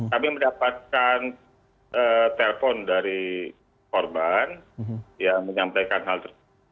kami mendapatkan telpon dari korban yang menyampaikan hal tersebut